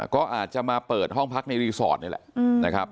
ก็อาจจะมาเปิดห้องพักในรีสอร์ทนี่แหละนะครับ